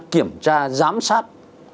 kiểm tra giám sát